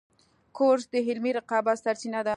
کورس د علمي رقابت سرچینه ده.